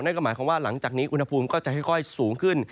นั่นก็หมายความว่าหลังจากนี้อุณหภูมิก็จะค่อยสูงขึ้น